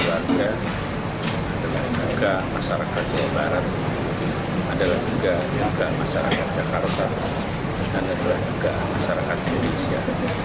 anies duka keluarga duka masyarakat jawa barat adalah duka masyarakat jakarta dan juga duka masyarakat indonesia